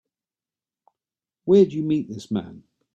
Where'd you meet this man?